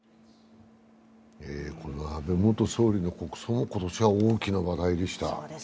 安倍元総理の国葬も今年は大きな話題でした。